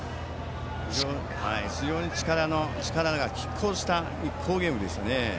非常に力がきっ抗した好ゲームでしたね。